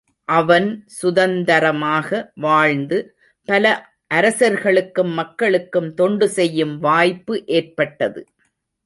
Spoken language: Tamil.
அவன் சுதந்தரமாக வாழ்ந்து, பல அரசர்களுக்கும் மக்களுக்கும் தொண்டு செய்யும் வாய்ப்பு ஏற்பட்டது.